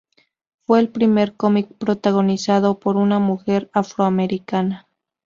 Fue el primer cómic protagonizado por una mujer afroamericana.